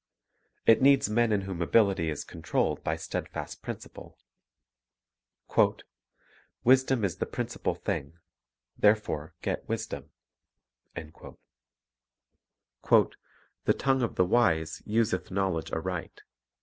It needs men in whom ability is con trolled by steadfast principle. "Wisdom is the principal thing; therefore get wisdom." "The tongue of the wise useth knowledge aright."